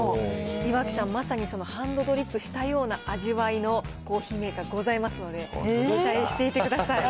岩城さん、まさにそのハンドドリップしたような味わいのコーヒーメーカー、ございますので、期待していてください。